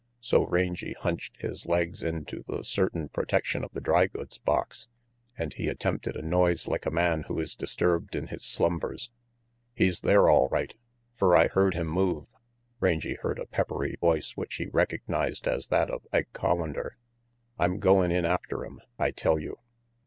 So Rangy hunched his legs into the certain pro tection of the dry goods box and he attempted a noise like a man who is disturbed in his slumbers. "He's there all right, fer I heard him move." Rangy heard a peppery voice which he recognized as that of Ike Collander. "I'm goin' in after him, I tell you."